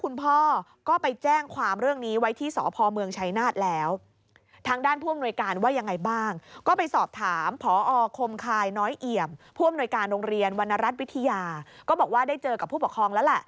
ได้เจอกับผู้ปกครองแล้วแหละ